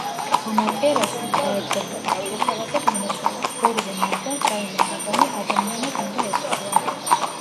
ამატერასუმ, დაეჭვებულმა, შეთავაზა გამოწვევა: ორივე მათგანს რაიმე საგანი ადამიანად უნდა ექცია.